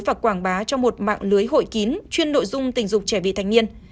và quảng bá cho một mạng lưới hội kín chuyên nội dung tình dục trẻ vị thành niên